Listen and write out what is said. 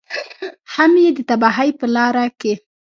هم یې د تباهۍ په لاره کې.